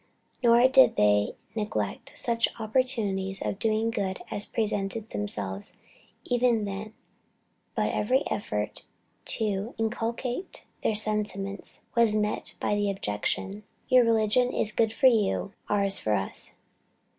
Nor did they neglect such opportunities of doing good as presented themselves even then; but every effort to inculcate their sentiments was met with the objection, "Your religion is good for you, ours for us."